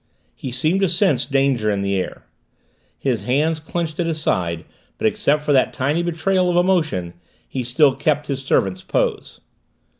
He seemed to sense danger in the air. His hands clenched at his sides, but except for that tiny betrayal of emotion, he still kept his servant's pose.